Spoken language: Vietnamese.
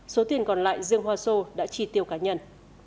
số tiền còn lại dương hoa sô đã chi tiêu cá nhân